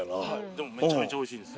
でもめちゃめちゃ美味しいです。